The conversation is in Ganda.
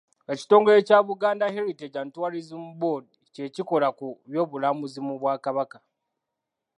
Ekitongole kya Buganda Heritage and Tourism Board kye kikola ku by'obulambuzi mu Bwakabaka.